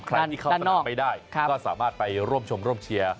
ใครที่เข้าสนามไม่ได้ก็สามารถไปร่วมชมร่วมเชียร์